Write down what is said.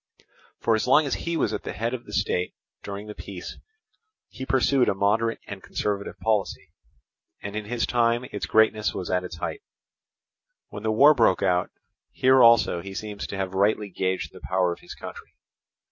For as long as he was at the head of the state during the peace, he pursued a moderate and conservative policy; and in his time its greatness was at its height. When the war broke out, here also he seems to have rightly gauged the power of his country.